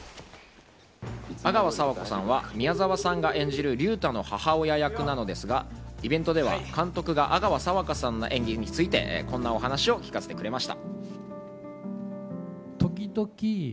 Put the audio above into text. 阿川佐和子さんは宮沢さんが演じる龍太の母親役なのですが、イベントでは監督が阿川佐和子さんの演技についてこんなお話を聞かせてくれました。